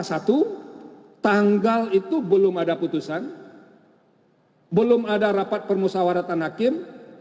satu tanggal itu belum ada putusan belum ada rapat permusawaratan hakim